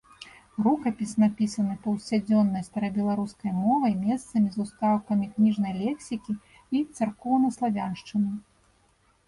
Рукапіс напісаны паўсядзённай старабеларускай мовай, месцамі з устаўкамі кніжнай лексікі і царкоўнаславяншчыны.